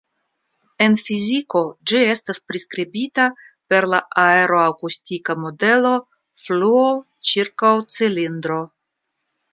En fiziko ĝi estas priskribita per la aeroakustika modelo "fluo ĉirkaŭ cilindro".